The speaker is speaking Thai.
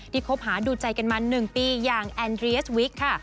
คบหาดูใจกันมา๑ปีอย่างแอนเรียสวิกค่ะ